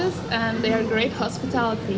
dan mereka sangat berhospitalitas